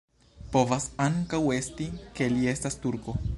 Povas ankaŭ esti, ke li estas turko.